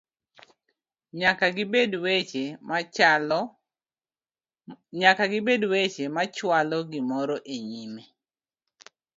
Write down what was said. nyaka gibed weche machwalo gimoro e nyime